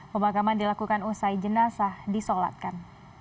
pemakaman dilakukan usai jenazah disolatkan